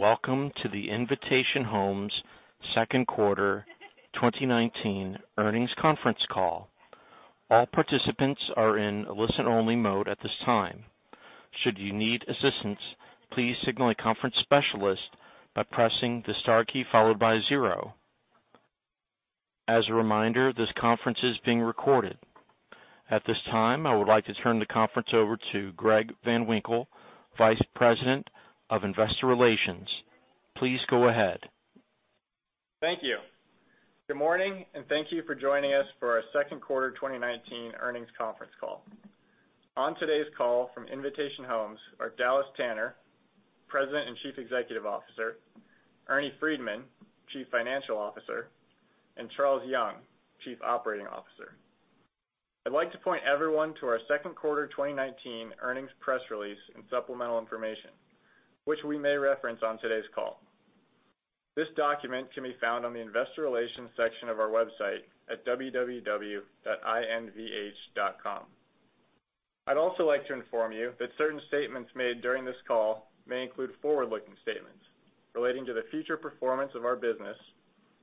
Welcome to the Invitation Homes second quarter 2019 earnings conference call. All participants are in listen-only mode at this time. Should you need assistance, please signal a conference specialist by pressing the star key followed by zero. As a reminder, this conference is being recorded. At this time, I would like to turn the conference over to Greg Van Winkle, Vice President of Investor Relations. Please go ahead. Thank you. Good morning, and thank you for joining us for our second quarter 2019 earnings conference call. On today's call from Invitation Homes are Dallas Tanner, President and Chief Executive Officer, Ernie Freedman, Chief Financial Officer, and Charles Young, Chief Operating Officer. I'd like to point everyone to our second quarter 2019 earnings press release and supplemental information, which we may reference on today's call. This document can be found on the investor relations section of our website at www.invh.com. I'd also like to inform you that certain statements made during this call may include forward-looking statements relating to the future performance of our business,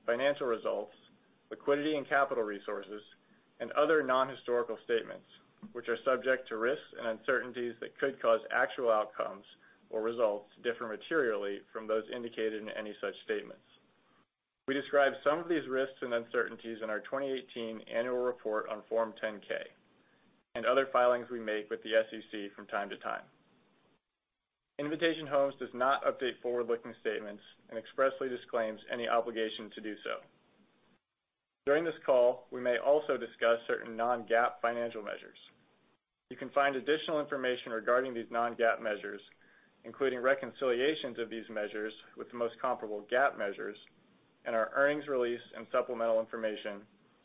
financial results, liquidity and capital resources, and other non-historical statements, which are subject to risks and uncertainties that could cause actual outcomes or results to differ materially from those indicated in any such statements. We describe some of these risks and uncertainties in our 2018 annual report on Form 10-K and other filings we make with the SEC from time to time. Invitation Homes does not update forward-looking statements and expressly disclaims any obligation to do so. During this call, we may also discuss certain non-GAAP financial measures. You can find additional information regarding these non-GAAP measures, including reconciliations of these measures with the most comparable GAAP measures in our earnings release and supplemental information,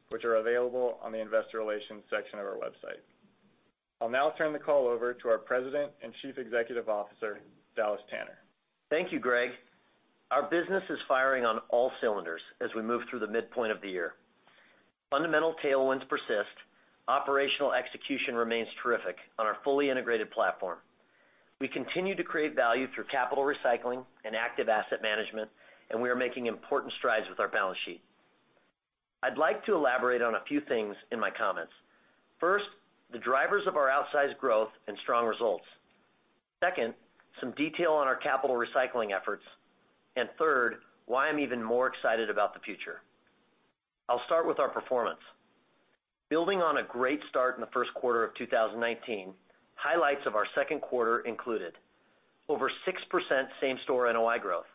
which are available on the investor relations section of our website. I'll now turn the call over to our President and Chief Executive Officer, Dallas Tanner. Thank you, Greg. Our business is firing on all cylinders as we move through the midpoint of the year. Fundamental tailwinds persist. Operational execution remains terrific on our fully integrated platform. We continue to create value through capital recycling and active asset management, and we are making important strides with our balance sheet. I'd like to elaborate on a few things in my comments. First, the drivers of our outsized growth and strong results. Second, some detail on our capital recycling efforts, and third, why I'm even more excited about the future. I'll start with our performance. Building on a great start in the first quarter of 2019, highlights of our second quarter included over 6% same-store NOI growth,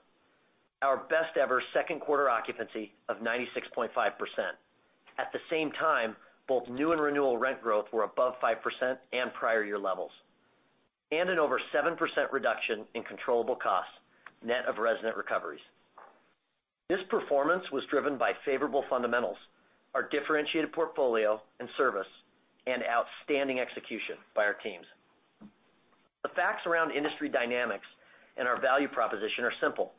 our best-ever second quarter occupancy of 96.5%. At the same time, both new and renewal rent growth were above 5% and prior-year levels, and an over 7% reduction in controllable costs, net of resident recoveries. This performance was driven by favorable fundamentals, our differentiated portfolio and service, and outstanding execution by our teams. The facts around industry dynamics and our value proposition are simple.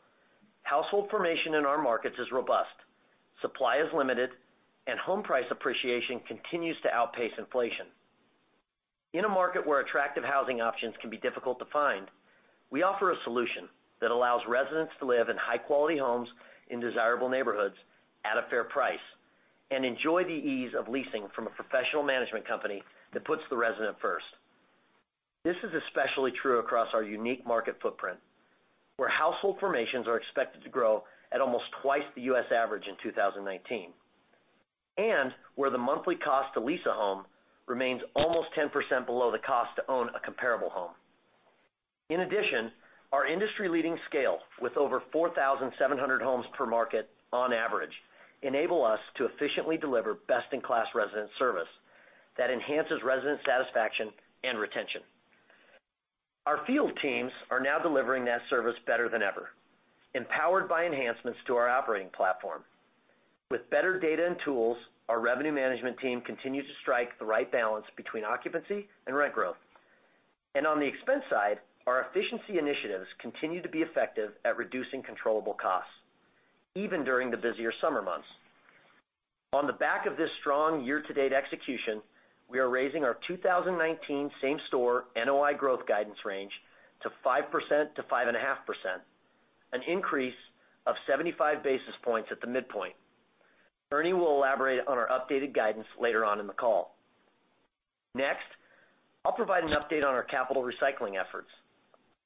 Household formation in our markets is robust, supply is limited, and home price appreciation continues to outpace inflation. In a market where attractive housing options can be difficult to find, we offer a solution that allows residents to live in high-quality homes in desirable neighborhoods at a fair price and enjoy the ease of leasing from a professional management company that puts the resident first. This is especially true across our unique market footprint, where household formations are expected to grow at almost twice the U.S. average in 2019 and where the monthly cost to lease a home remains almost 10% below the cost to own a comparable home. In addition, our industry-leading scale, with over 4,700 homes per market on average, enable us to efficiently deliver best-in-class resident service that enhances resident satisfaction and retention. Our field teams are now delivering that service better than ever, empowered by enhancements to our operating platform. With better data and tools, our revenue management team continues to strike the right balance between occupancy and rent growth. On the expense side, our efficiency initiatives continue to be effective at reducing controllable costs, even during the busier summer months. On the back of this strong year-to-date execution, we are raising our 2019 same-store NOI growth guidance range to 5%-5.5%, an increase of 75 basis points at the midpoint. Ernie will elaborate on our updated guidance later on in the call. Next, I'll provide an update on our capital recycling efforts.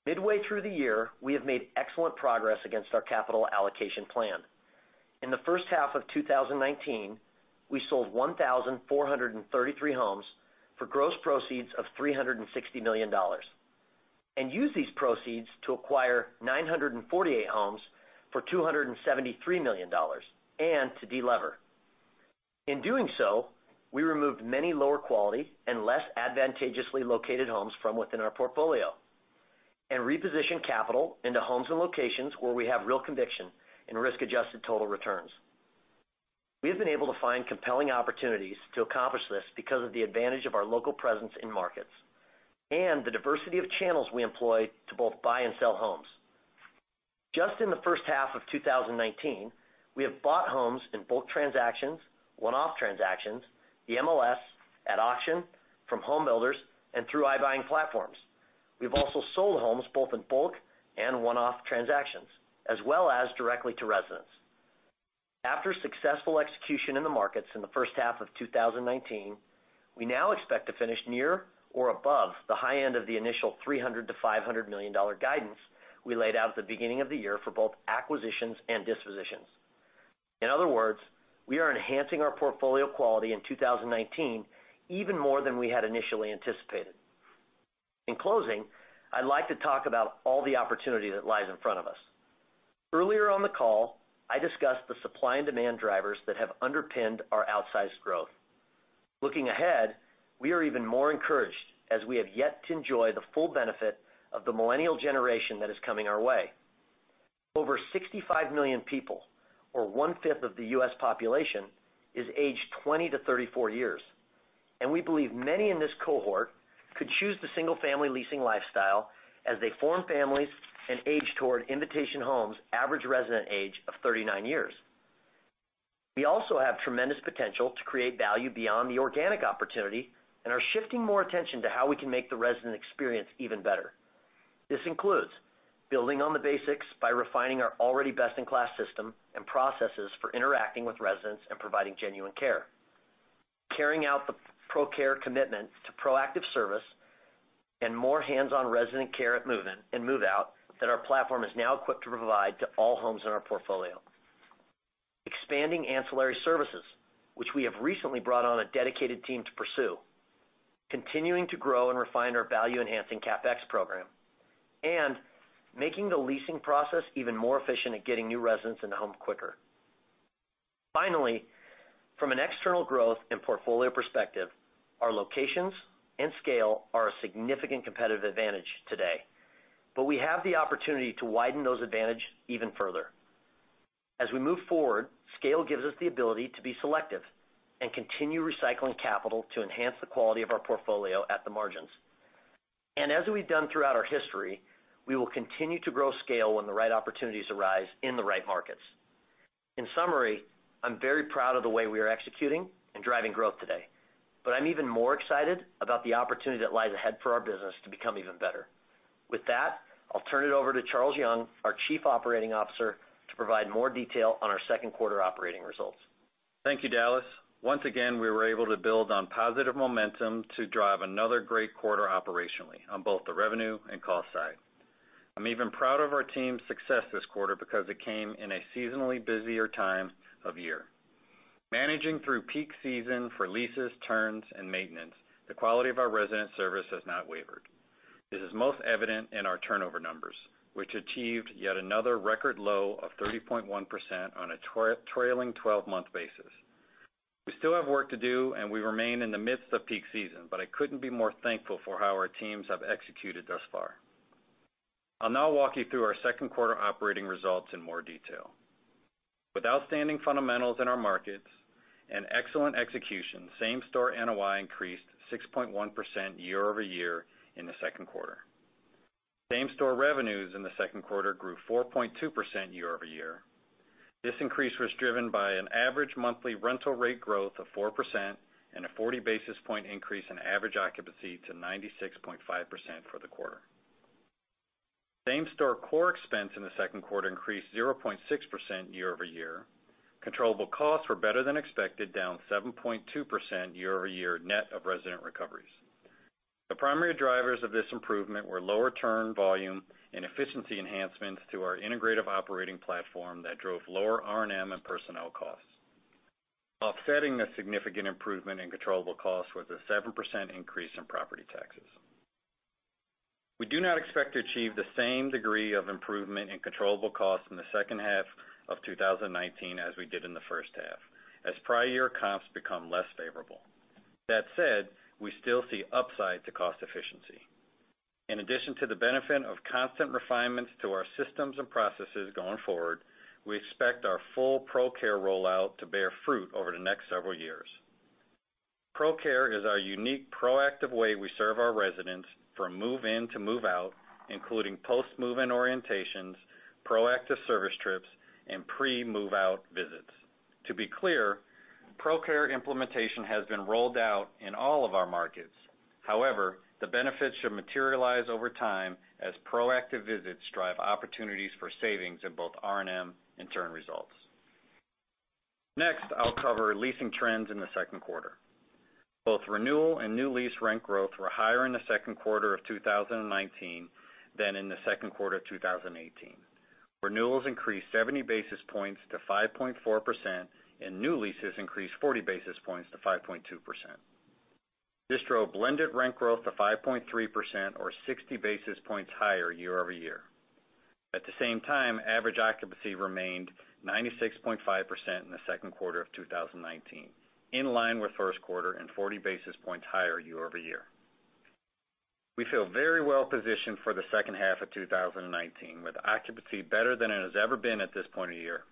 Midway through the year, we have made excellent progress against our capital allocation plan. In the first half of 2019, we sold 1,433 homes for gross proceeds of $360 million and used these proceeds to acquire 948 homes for $273 million and to de-lever. In doing so, we removed many lower quality and less advantageously located homes from within our portfolio and repositioned capital into homes and locations where we have real conviction in risk-adjusted total returns. We have been able to find compelling opportunities to accomplish this because of the advantage of our local presence in markets and the diversity of channels we employ to both buy and sell homes. Just in the first half of 2019, we have bought homes in bulk transactions, one-off transactions, the MLS, at auction, from home builders and through iBuying platforms. We've also sold homes both in bulk and one-off transactions, as well as directly to residents. After successful execution in the markets in the first half of 2019, we now expect to finish near or above the high end of the initial $300 million-$500 million guidance we laid out at the beginning of the year for both acquisitions and dispositions. In other words, we are enhancing our portfolio quality in 2019 even more than we had initially anticipated. In closing, I'd like to talk about all the opportunity that lies in front of us. Earlier on the call, I discussed the supply and demand drivers that have underpinned our outsized growth. Looking ahead, we are even more encouraged as we have yet to enjoy the full benefit of the millennial generation that is coming our way. Over 65 million people, or one-fifth of the U.S. population, is aged 20 to 34 years. We believe many in this cohort could choose the single-family leasing lifestyle as they form families and age toward Invitation Homes' average resident age of 39 years. We also have tremendous potential to create value beyond the organic opportunity and are shifting more attention to how we can make the resident experience even better. This includes building on the basics by refining our already best-in-class system and processes for interacting with residents and providing genuine care. Carrying out the ProCare commitment to proactive service and more hands-on resident care at move-in and move-out that our platform is now equipped to provide to all homes in our portfolio. Expanding ancillary services, which we have recently brought on a dedicated team to pursue. Continuing to grow and refine our value-enhancing CapEx program, and making the leasing process even more efficient at getting new residents in the home quicker. Finally, from an external growth and portfolio perspective, our locations and scale are a significant competitive advantage today. We have the opportunity to widen those advantage even further. As we move forward, scale gives us the ability to be selective and continue recycling capital to enhance the quality of our portfolio at the margins. As we've done throughout our history, we will continue to grow scale when the right opportunities arise in the right markets. In summary, I'm very proud of the way we are executing and driving growth today. I'm even more excited about the opportunity that lies ahead for our business to become even better. With that, I'll turn it over to Charles Young, our Chief Operating Officer, to provide more detail on our second quarter operating results. Thank you, Dallas. Once again, we were able to build on positive momentum to drive another great quarter operationally on both the revenue and cost side. I'm even proud of our team's success this quarter because it came in a seasonally busier time of year. Managing through peak season for leases, turns, and maintenance, the quality of our resident service has not wavered. This is most evident in our turnover numbers, which achieved yet another record low of 30.1% on a trailing 12-month basis. We still have work to do, and we remain in the midst of peak season, but I couldn't be more thankful for how our teams have executed thus far. I'll now walk you through our second quarter operating results in more detail. With outstanding fundamentals in our markets and excellent execution, same-store NOI increased 6.1% year-over-year in the second quarter. Same-store revenues in the second quarter grew 4.2% year-over-year. This increase was driven by an average monthly rental rate growth of 4% and a 40 basis point increase in average occupancy to 96.5% for the quarter. Same-store core expense in the second quarter increased 0.6% year-over-year. Controllable costs were better than expected, down 7.2% year-over-year net of resident recoveries. The primary drivers of this improvement were lower turn volume and efficiency enhancements to our integrative operating platform that drove lower R&M and personnel costs. Offsetting the significant improvement in controllable costs was a 7% increase in property taxes. We do not expect to achieve the same degree of improvement in controllable costs in the second half of 2019 as we did in the first half, as prior year comps become less favorable. That said, we still see upside to cost efficiency. In addition to the benefit of constant refinements to our systems and processes going forward, we expect our full ProCare rollout to bear fruit over the next several years. ProCare is our unique, proactive way we serve our residents from move-in to move-out, including post-move-in orientations, proactive service trips, and pre-move-out visits. To be clear, ProCare implementation has been rolled out in all of our markets. However, the benefits should materialize over time as proactive visits drive opportunities for savings in both R&M and turn results. Next, I'll cover leasing trends in the second quarter. Both renewal and new lease rent growth were higher in the second quarter of 2019 than in the second quarter of 2018. Renewals increased 70 basis points to 5.4%, and new leases increased 40 basis points to 5.2%. This drove blended rent growth to 5.3%, or 60 basis points higher year-over-year. At the same time, average occupancy remained 96.5% in the second quarter of 2019, in line with first quarter and 40 basis points higher year-over-year. We feel very well positioned for the second half of 2019, with occupancy better than it has ever been at this point of year.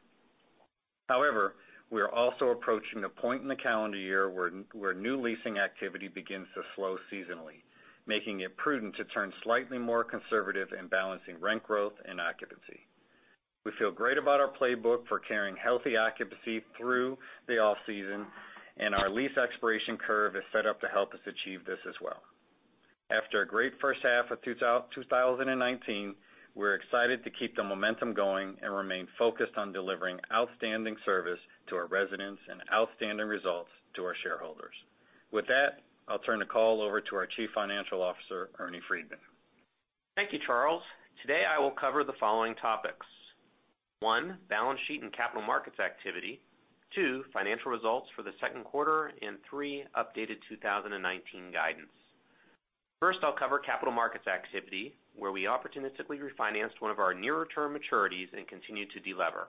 However, we are also approaching the point in the calendar year where new leasing activity begins to slow seasonally, making it prudent to turn slightly more conservative in balancing rent growth and occupancy. We feel great about our playbook for carrying healthy occupancy through the off-season, and our lease expiration curve is set up to help us achieve this as well. After a great first half of 2019, we're excited to keep the momentum going and remain focused on delivering outstanding service to our residents and outstanding results to our shareholders. With that, I'll turn the call over to our Chief Financial Officer, Ernie Freedman. Thank you, Charles. Today, I will cover the following topics. One, balance sheet and capital markets activity. Two, financial results for the second quarter. Three, updated 2019 guidance. First, I'll cover capital markets activity, where we opportunistically refinanced one of our nearer-term maturities and continued to de-lever.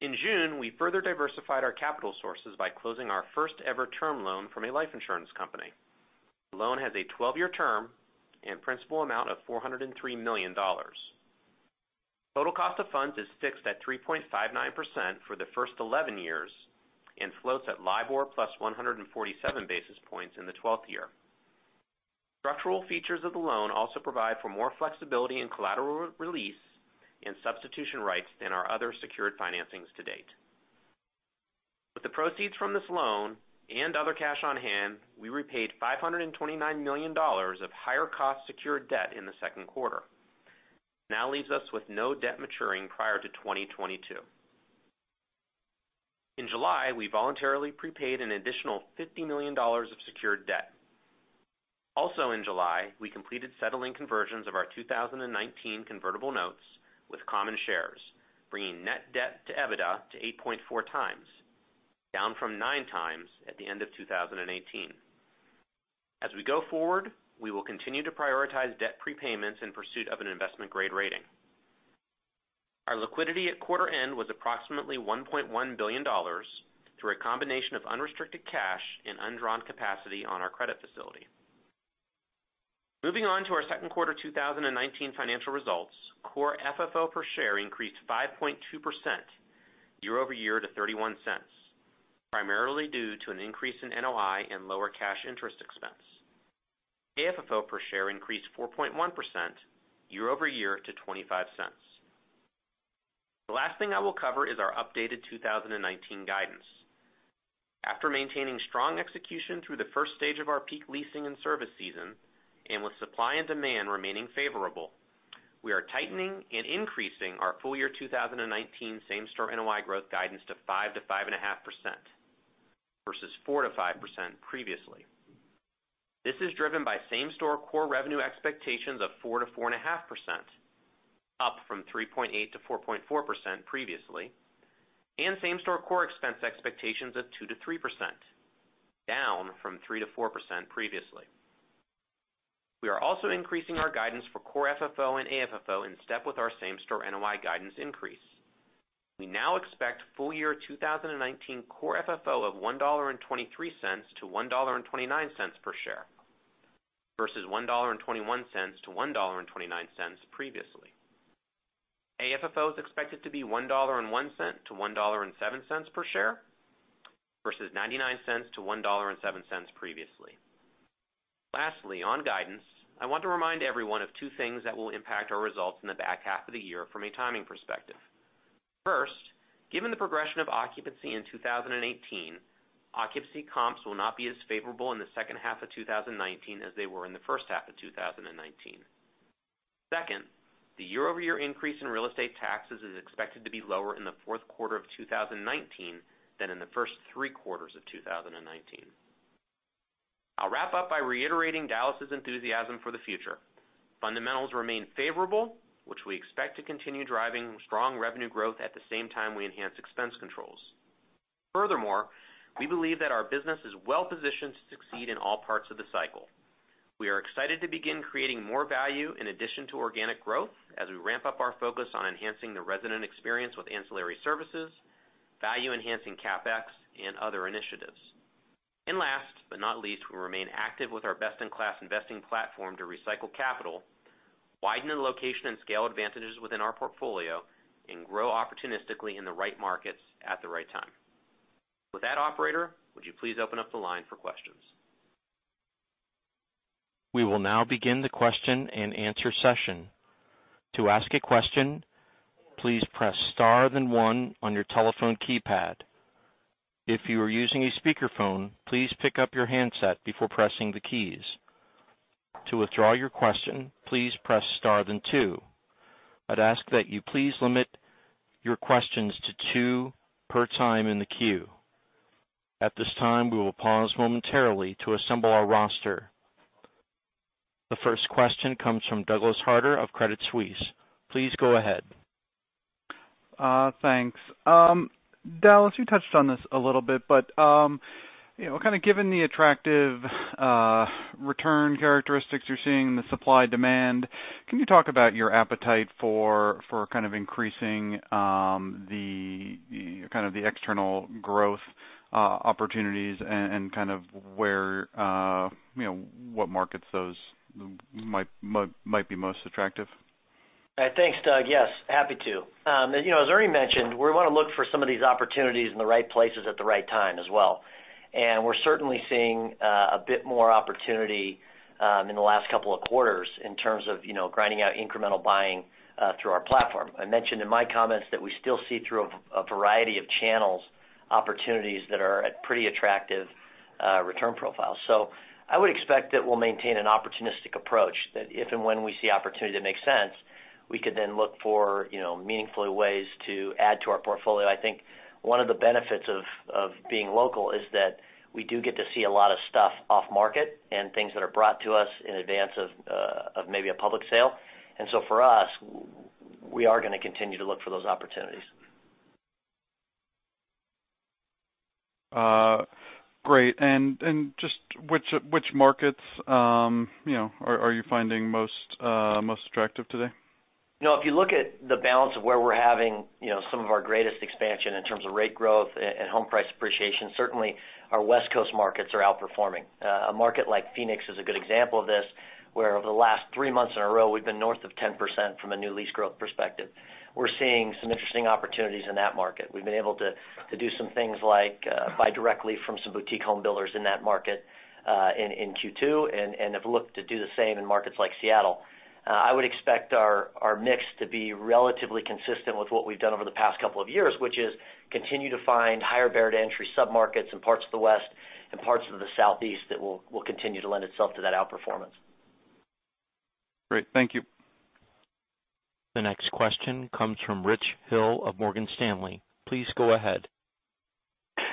In June, we further diversified our capital sources by closing our first-ever term loan from a life insurance company. The loan has a 12-year term and principal amount of $403 million. Total cost of funds is fixed at 3.59% for the first 11 years and floats at LIBOR plus 147 basis points in the 12th year. Structural features of the loan also provide for more flexibility in collateral release and substitution rights than our other secured financings to date. With the proceeds from this loan and other cash on hand, we repaid $529 million of higher-cost secured debt in the second quarter. Now leaves us with no debt maturing prior to 2022. In July, we voluntarily prepaid an additional $50 million of secured debt. Also, in July, we completed settling conversions of our 2019 convertible notes with common shares, bringing net debt to EBITDA to 8.4x, down from 9x at the end of 2018. As we go forward, we will continue to prioritize debt prepayments in pursuit of an investment-grade rating. Our liquidity at quarter-end was approximately $1.1 billion through a combination of unrestricted cash and undrawn capacity on our credit facility. Moving on to our second quarter 2019 financial results, core FFO per share increased 5.2% year-over-year to $0.31, primarily due to an increase in NOI and lower cash interest expense. AFFO per share increased 4.1% year-over-year to $0.25. The last thing I will cover is our updated 2019 guidance. After maintaining strong execution through the first stage of our peak leasing and service season, and with supply and demand remaining favorable, we are tightening and increasing our full-year 2019 same-store NOI growth guidance to 5%-5.5%, versus 4%-5% previously. This is driven by same-store core revenue expectations of 4%-4.5%, up from 3.8%-4.4% previously, and same-store core expense expectations of 2%-3%, down from 3%-4% previously. We are also increasing our guidance for core FFO and AFFO in step with our same-store NOI guidance increase. We now expect full-year 2019 core FFO of $1.23-$1.29 per share, versus $1.21-$1.29 previously. AFFO is expected to be $1.01-$1.07 per share, versus $0.99-$1.07 previously. Lastly, on guidance, I want to remind everyone of two things that will impact our results in the back half of the year from a timing perspective. First, given the progression of occupancy in 2018, occupancy comps will not be as favorable in the second half of 2019 as they were in the first half of 2019. Second, the year-over-year increase in real estate taxes is expected to be lower in the fourth quarter of 2019 than in the first three quarters of 2019. I'll wrap up by reiterating Dallas' enthusiasm for the future. Fundamentals remain favorable, which we expect to continue driving strong revenue growth at the same time we enhance expense controls. Furthermore, we believe that our business is well-positioned to succeed in all parts of the cycle. We are excited to begin creating more value in addition to organic growth as we ramp up our focus on enhancing the resident experience with ancillary services, value-enhancing CapEx, and other initiatives. Last but not least, we remain active with our best-in-class investing platform to recycle capital, widen the location and scale advantages within our portfolio, and grow opportunistically in the right markets at the right time. With that, operator, would you please open up the line for questions? We will now begin the question and answer session. To ask a question, please press star then one on your telephone keypad. If you are using a speakerphone, please pick up your handset before pressing the keys. To withdraw your question, please press star then two. I'd ask that you please limit your questions to two per time in the queue. At this time, we will pause momentarily to assemble our roster. The first question comes from Douglas Harter of Credit Suisse. Please go ahead. Thanks. Dallas, you touched on this a little bit, but kind of given the attractive return characteristics you're seeing in the supply-demand, can you talk about your appetite for kind of increasing the external growth opportunities and kind of what markets those might be most attractive? Thanks, Doug. Yes, happy to. As Ernie mentioned, we want to look for some of these opportunities in the right places at the right time as well. We're certainly seeing a bit more opportunity in the last couple of quarters in terms of grinding out incremental buying through our platform. I mentioned in my comments that we still see through a variety of channels, opportunities that are at pretty attractive return profiles. I would expect that we'll maintain an opportunistic approach that if and when we see opportunity that makes sense, we could then look for meaningful ways to add to our portfolio. I think one of the benefits of being local is that we do get to see a lot of stuff off market and things that are brought to us in advance of maybe a public sale. For us, we are going to continue to look for those opportunities. Great. Just which markets are you finding most attractive today? If you look at the balance of where we're having some of our greatest expansion in terms of rate growth and home price appreciation, certainly our West Coast markets are outperforming. A market like Phoenix is a good example of this, where over the last three months in a row, we've been north of 10% from a new lease growth perspective. We're seeing some interesting opportunities in that market. We've been able to do some things like buy directly from some boutique home builders in that market in Q2, and have looked to do the same in markets like Seattle. I would expect our mix to be relatively consistent with what we've done over the past couple of years, which is continue to find higher barrier to entry sub-markets in parts of the West and parts of the Southeast that will continue to lend itself to that outperformance. Great. Thank you. The next question comes from Rich Hill of Morgan Stanley. Please go ahead.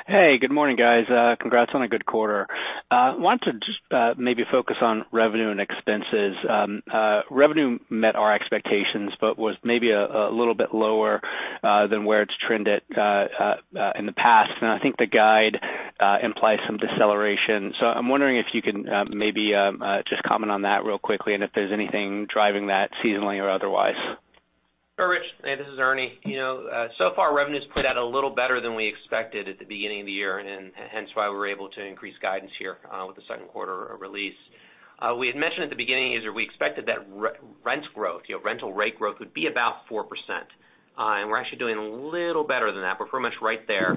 Hey, good morning, guys. Congrats on a good quarter. I want to just maybe focus on revenue and expenses. Revenue met our expectations, but was maybe a little bit lower than where it's trended in the past, and I think the guide implies some deceleration. I'm wondering if you can maybe just comment on that real quickly and if there's anything driving that seasonally or otherwise. Sure, Rich. Hey, this is Ernie. So far revenue's played out a little better than we expected at the beginning of the year, and hence why we were able to increase guidance here with the second quarter release. We had mentioned at the beginning of the year, we expected that rent growth, rental rate growth would be about 4%, and we're actually doing a little better than that. We're pretty much right there.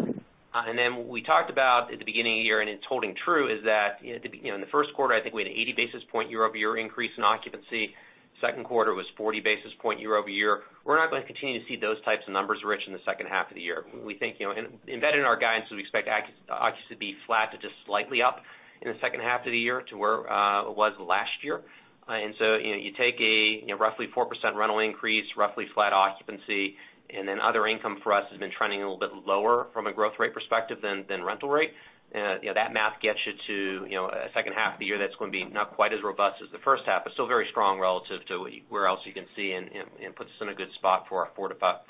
What we talked about at the beginning of the year, and it's holding true, is that in the first quarter, I think we had an 80 basis points year-over-year increase in occupancy. Second quarter was 40 basis points year-over-year. We're not going to continue to see those types of numbers, Rich, in the second half of the year. Embedded in our guidance, we expect occupancy to be flat to just slightly up in the second half of the year to where it was last year. You take a roughly 4% rental increase, roughly flat occupancy, and then other income for us has been trending a little bit lower from a growth rate perspective than rental rate. That math gets you to a second half of the year that's going to be not quite as robust as the first half, but still very strong relative to where else you can see, and puts us in a good spot for our 4.5%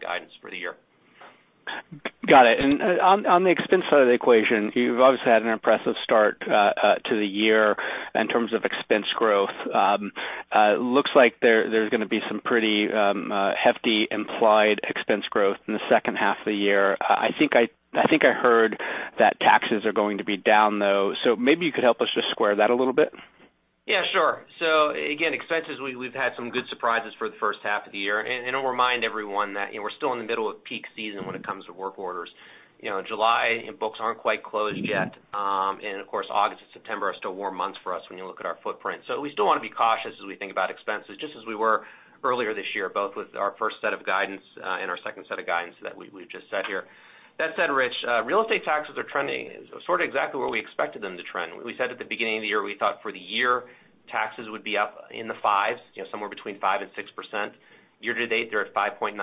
guidance for the year. Got it. On the expense side of the equation, you've obviously had an impressive start to the year in terms of expense growth. Looks like there's going to be some pretty hefty implied expense growth in the second half of the year. I think I heard that taxes are going to be down, though. Maybe you could help us just square that a little bit. Yeah, sure. Again, expenses, we've had some good surprises for the first half of the year. I'll remind everyone that we're still in the middle of peak season when it comes to work orders. July books aren't quite closed yet. Of course, August and September are still warm months for us when you look at our footprint. We still want to be cautious as we think about expenses, just as we were earlier this year, both with our first set of guidance and our second set of guidance that we've just set here. That said, Rich, real estate taxes are trending sort of exactly where we expected them to trend. We said at the beginning of the year, we thought for the year, taxes would be up in the fives, somewhere between 5% and 6%. Year to date, they're at 5.9%,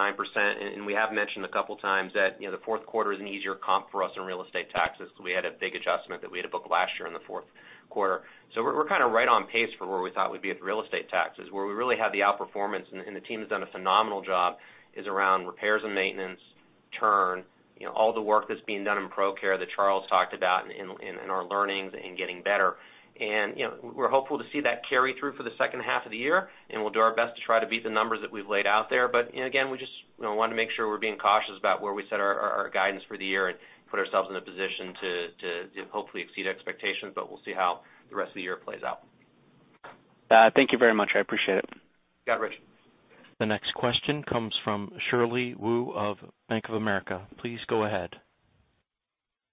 and we have mentioned a couple times that the fourth quarter is an easier comp for us in real estate taxes, because we had a big adjustment that we had to book last year in the fourth quarter. We're kind of right on pace for where we thought we'd be with real estate taxes. Where we really have the outperformance, and the team has done a phenomenal job, is around repairs and maintenance, turn, all the work that's being done in ProCare that Charles talked about in our learnings and getting better. We're hopeful to see that carry through for the second half of the year, and we'll do our best to try to beat the numbers that we've laid out there. Again, we just want to make sure we're being cautious about where we set our guidance for the year and put ourselves in a position to hopefully exceed expectations. We'll see how the rest of the year plays out. Thank you very much. I appreciate it. You got it, Rich. The next question comes from Shirley Wu of Bank of America. Please go ahead.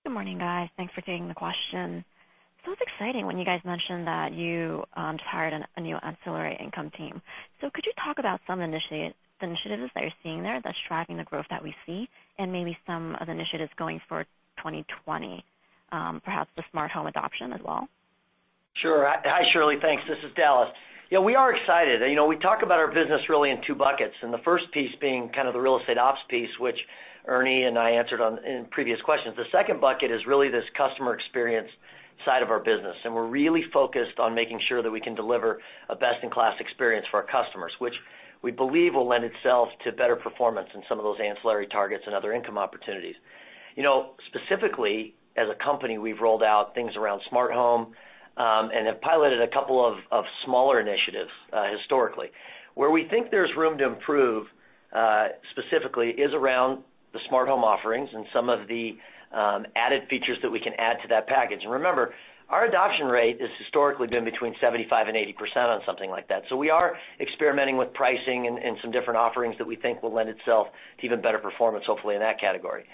Good morning, guys. Thanks for taking the question. It sounds exciting when you guys mentioned that you just hired a new ancillary income team. Could you talk about some initiatives that you're seeing there that's driving the growth that we see, and maybe some of the initiatives going for 2020, perhaps the smart home adoption as well? Sure. Hi, Shirley. Thanks. This is Dallas. We are excited. We talk about our business really in two buckets, and the first piece being kind of the real estate ops piece, which Ernie and I answered on in previous questions. The second bucket is really this customer experience side of our business, and we're really focused on making sure that we can deliver a best-in-class experience for our customers, which we believe will lend itself to better performance in some of those ancillary targets and other income opportunities. Specifically, as a company, we've rolled out things around smart home, and have piloted a couple of smaller initiatives historically. Where we think there's room to improve specifically is around the smart home offerings and some of the added features that we can add to that package. Remember, our adoption rate has historically been between 75% and 80% on something like that. We are experimenting with pricing and some different offerings that we think will lend itself to even better performance, hopefully in that category.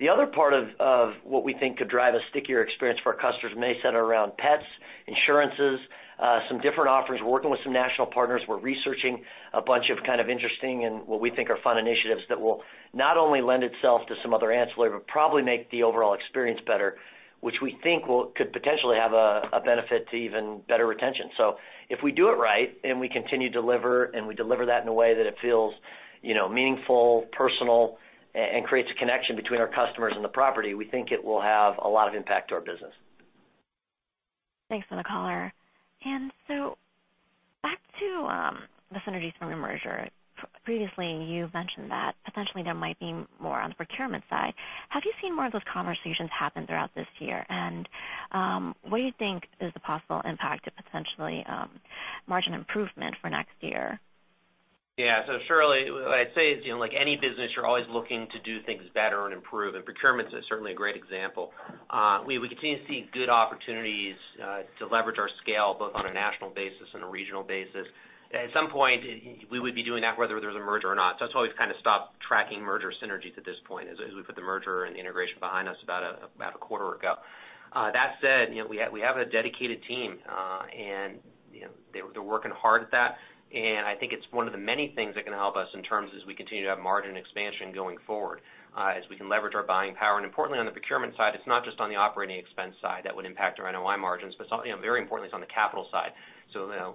The other part of what we think could drive a stickier experience for our customers may center around pets, insurances, some different offerings. We're working with some national partners. We're researching a bunch of kind of interesting and what we think are fun initiatives that will not only lend itself to some other ancillary, but probably make the overall experience better, which we think could potentially have a benefit to even better retention. If we do it right, and we continue to deliver, and we deliver that in a way that it feels meaningful, personal, and creates a connection between our customers and the property, we think it will have a lot of impact to our business. Thanks for the color. Back to the synergies from the merger. Previously, you mentioned that potentially there might be more on the procurement side. Have you seen more of those conversations happen throughout this year? What do you think is the possible impact of potentially margin improvement for next year? Yeah. Shirley, what I'd say is, like any business, you're always looking to do things better and improve, and procurement is certainly a great example. We continue to see good opportunities to leverage our scale, both on a national basis and a regional basis. At some point, we would be doing that whether there's a merger or not. That's why we've kind of stopped tracking merger synergies at this point, as we put the merger and the integration behind us about a quarter ago. That said, we have a dedicated team, and they're working hard at that. I think it's one of the many things that can help us in terms as we continue to have margin expansion going forward, as we can leverage our buying power. Importantly, on the procurement side, it's not just on the operating expense side that would impact our NOI margins, but very importantly, it's on the capital side.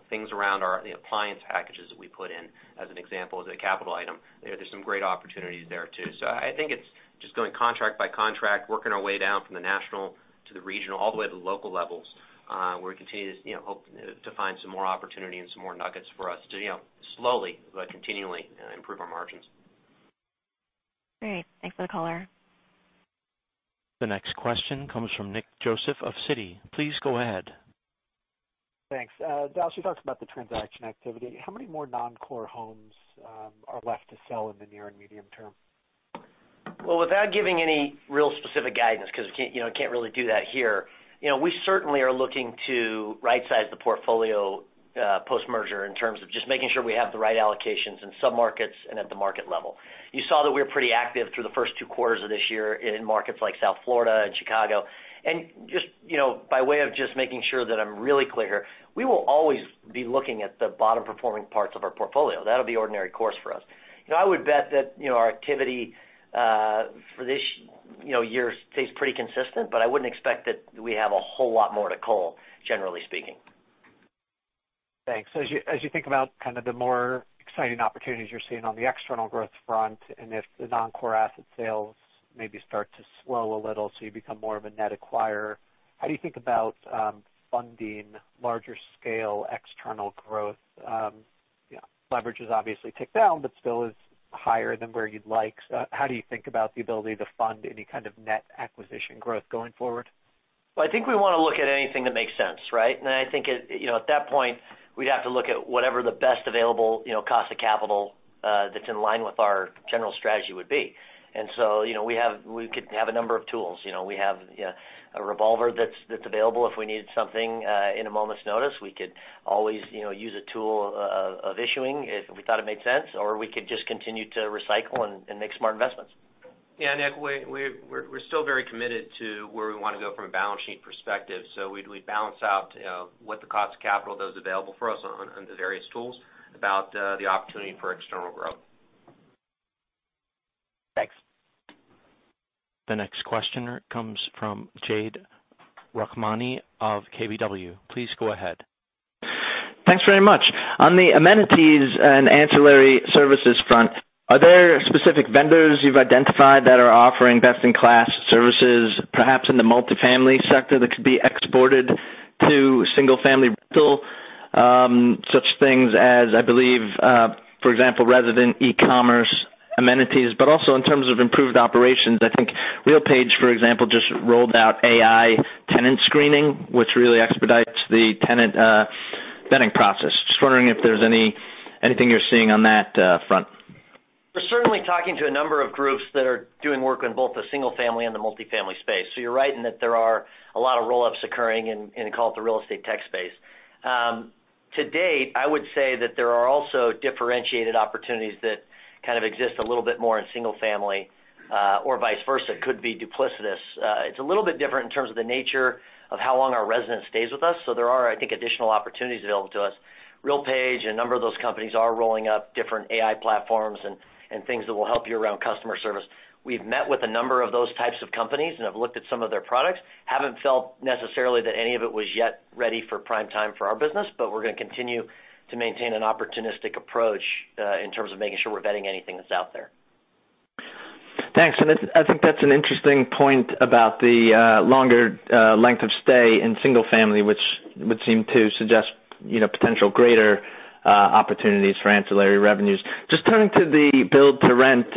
Things around the appliance packages that we put in, as an example, as a capital item. There's some great opportunities there, too. I think it's just going contract by contract, working our way down from the national to the regional, all the way to the local levels, where we continue to hope to find some more opportunity and some more nuggets for us to slowly but continually improve our margins. Great. Thanks for the color. The next question comes from Nick Joseph of Citi. Please go ahead. Thanks. Dallas, you talked about the transaction activity. How many more non-core homes are left to sell in the near and medium term? Well, without giving any real specific guidance, because we can't really do that here. We certainly are looking to rightsize the portfolio post-merger in terms of just making sure we have the right allocations in sub-markets and at the market level. You saw that we were pretty active through the first two quarters of this year in markets like South Florida and Chicago. Just by way of just making sure that I'm really clear, we will always be looking at the bottom performing parts of our portfolio. That'll be ordinary course for us. I would bet that our activity for this year stays pretty consistent, but I wouldn't expect that we have a whole lot more to cull, generally speaking. Thanks. As you think about kind of the more exciting opportunities you're seeing on the external growth front, and if the non-core asset sales maybe start to slow a little, so you become more of a net acquirer, how do you think about funding larger scale external growth? Leverage is obviously ticked down, but still is higher than where you'd like. How do you think about the ability to fund any kind of net acquisition growth going forward? Well, I think we want to look at anything that makes sense, right? I think at that point, we'd have to look at whatever the best available cost of capital that's in line with our general strategy would be. We could have a number of tools. We have a revolver that's available if we needed something in a moment's notice. We could always use a tool of issuing if we thought it made sense, or we could just continue to recycle and make smart investments. Yeah, Nick, we're still very committed to where we want to go from a balance sheet perspective. We'd balance out what the cost of capital does available for us on the various tools about the opportunity for external growth. Thanks. The next questioner comes from Jade Rahmani of KBW. Please go ahead. Thanks very much. On the amenities and ancillary services front, are there specific vendors you've identified that are offering best-in-class services, perhaps in the multifamily sector that could be exported to single-family rental? Such things as, I believe, for example, resident e-commerce amenities. Also in terms of improved operations, I think RealPage, for example, just rolled out AI tenant screening, which really expedites the tenant vetting process. Just wondering if there's anything you're seeing on that front. We're certainly talking to a number of groups that are doing work on both the single family and the multifamily space. You're right in that there are a lot of roll-ups occurring in, call it, the real estate tech space. To date, I would say that there are also differentiated opportunities that kind of exist a little bit more in single family, or vice versa. It could be duplicitous. It's a little bit different in terms of the nature of how long our resident stays with us. There are, I think, additional opportunities available to us. RealPage and a number of those companies are rolling up different AI platforms and things that will help you around customer service. We've met with a number of those types of companies and have looked at some of their products. Haven't felt necessarily that any of it was yet ready for prime time for our business. We're going to continue to maintain an opportunistic approach in terms of making sure we're vetting anything that's out there. Thanks. I think that's an interesting point about the longer length of stay in single family, which would seem to suggest potential greater opportunities for ancillary revenues. Turning to the build-to-rent.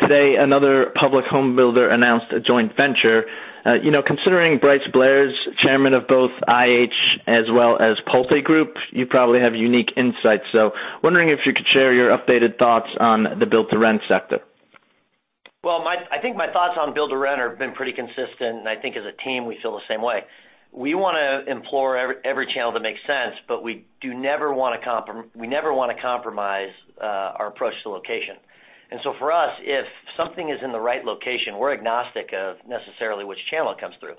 Today, another public home builder announced a joint venture. Considering Bryce Blair is chairman of both IH as well as PulteGroup, you probably have unique insights. Wondering if you could share your updated thoughts on the build-to-rent sector. Well, I think my thoughts on build-to-rent have been pretty consistent. I think as a team, we feel the same way. We want to implore every channel to make sense. We never want to compromise our approach to location. For us, if something is in the right location, we're agnostic of necessarily which channel it comes through.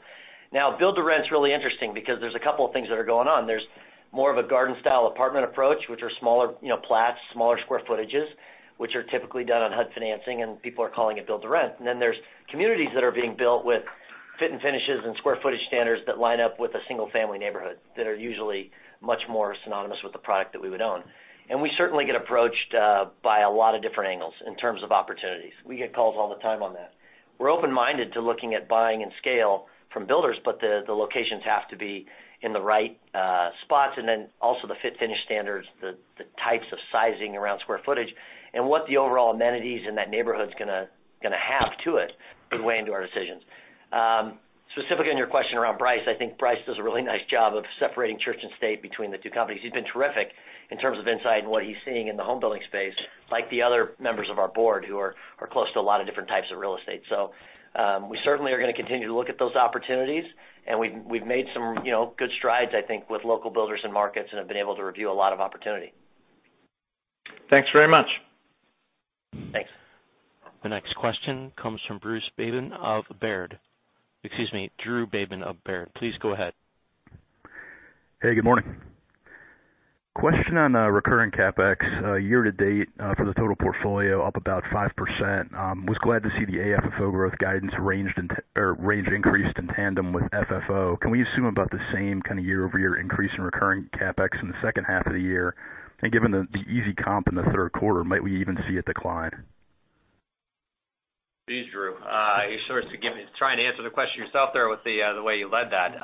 Now, build-to-rent's really interesting because there's a couple of things that are going on. There's more of a garden-style apartment approach, which are smaller plats, smaller square footages, which are typically done on HUD financing. People are calling it build-to-rent. There's communities that are being built with fit and finishes and square footage standards that line up with a single-family neighborhood that are usually much more synonymous with the product that we would own. We certainly get approached by a lot of different angles in terms of opportunities. We get calls all the time on that. We're open-minded to looking at buying in scale from builders, but the locations have to be in the right spots, and then also the fit-finish standards, the types of sizing around square footage, and what the overall amenities in that neighborhood's going to have to it could weigh into our decisions. Specifically on your question around Bryce, I think Bryce does a really nice job of separating church and state between the two companies. He's been terrific in terms of insight and what he's seeing in the home building space, like the other members of our board who are close to a lot of different types of real estate. We certainly are going to continue to look at those opportunities, and we've made some good strides, I think, with local builders and markets and have been able to review a lot of opportunity. Thanks very much. Thanks. The next question comes from Drew Babin of Baird. Please go ahead. Hey, good morning. Question on recurring CapEx. Year to date for the total portfolio up about 5%. Was glad to see the AFFO growth guidance range increased in tandem with FFO. Can we assume about the same kind of year-over-year increase in recurring CapEx in the second half of the year? Given the easy comp in the third quarter, might we even see a decline? Geez, Drew. You're trying to answer the question yourself there with the way you led that.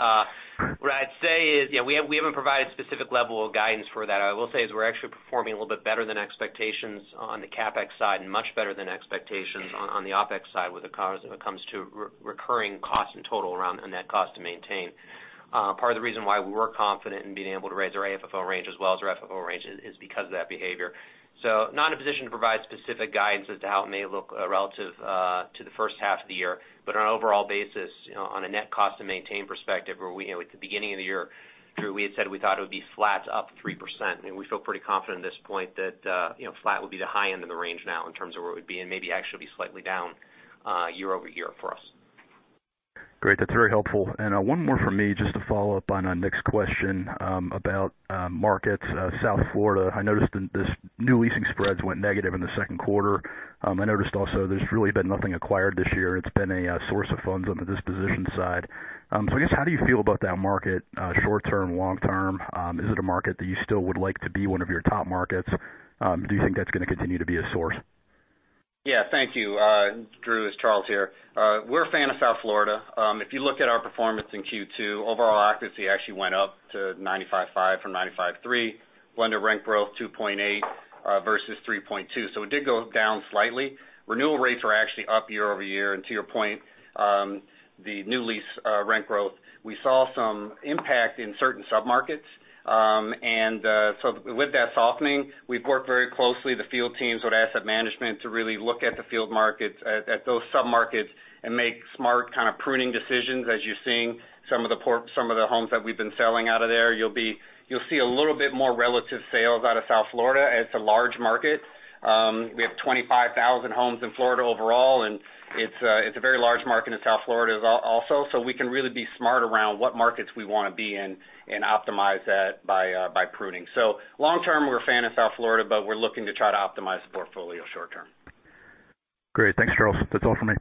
What I'd say is we haven't provided specific level of guidance for that. I will say is we're actually performing a little bit better than expectations on the CapEx side and much better than expectations on the OpEx side when it comes to recurring costs in total around the net cost to maintain. Part of the reason why we were confident in being able to raise our AFFO range as well as our FFO range is because of that behavior. Not in a position to provide specific guidance as to how it may look relative to the first half of the year, but on an overall basis, on a net cost to maintain perspective where at the beginning of the year, Drew, we had said we thought it would be flat to up 3%. We feel pretty confident at this point that flat will be the high end of the range now in terms of where it would be, and maybe actually be slightly down year-over-year for us. Great. That's very helpful. One more from me, just to follow up on Nick's question about markets. South Florida, I noticed the new leasing spreads went negative in the second quarter. I noticed also there's really been nothing acquired this year. It's been a source of funds under this disposition side. I guess how do you feel about that market short term, long term? Is it a market that you still would like to be one of your top markets? Do you think that's going to continue to be a source? Yeah. Thank you, Drew. It's Charles here. We're a fan of South Florida. If you look at our performance in Q2, overall occupancy actually went up to 95.5% from 95.3%. Blended rent growth 2.8% versus 3.2%. It did go down slightly. Renewal rates were actually up year-over-year. To your point, the new lease rent growth, we saw some impact in certain sub-markets. With that softening, we've worked very closely, the field teams with asset management to really look at the field markets, at those sub-markets and make smart kind of pruning decisions as you're seeing some of the homes that we've been selling out of there. You'll see a little bit more relative sales out of South Florida. It's a large market. We have 25,000 homes in Florida overall, and it's a very large market in South Florida also. We can really be smart around what markets we want to be in and optimize that by pruning. Long term, we're a fan of South Florida, but we're looking to try to optimize the portfolio short term. Great. Thanks, Charles. That's all for me.